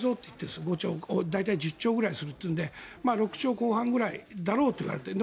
今の５兆を大体１０兆くらいするというので６兆ぐらいだろうといわれている。